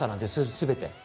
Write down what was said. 全て。